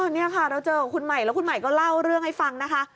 นี่ค่ะเราเจอกับคุณใหม่แล้วคุณใหม่ก็เล่าเรื่องให้ฟังนะคะ